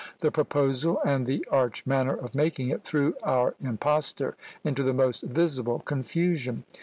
The proposal, and the arch manner of making it, threw our impostor into the most visible confusion.